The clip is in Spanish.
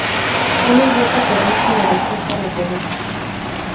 Uno y otro permiten el acceso a la terraza.